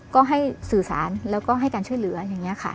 ก็ให้สื่อสารแล้วก็ให้การช่วยเหลืออย่างนี้ค่ะ